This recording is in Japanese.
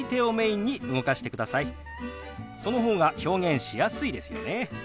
その方が表現しやすいですよね。